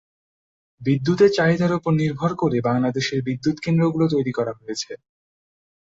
বিদ্যুতের চাহিদার উপর নির্ভর করে বাংলাদেশের বিদ্যুৎ কেন্দ্রগুলো তৈরি করা হয়েছে।